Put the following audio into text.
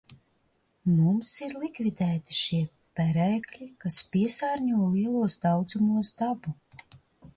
Mums ir likvidēti šie perēkļi, kas piesārņo lielos daudzumos dabu.